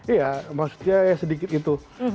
iya maksudnya ya sedikit itu